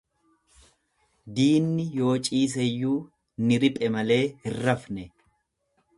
Diinni yoo ciiseyyuu ni riphe malee hin rafne.